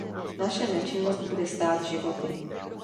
Naše nečinnost bude stát životy.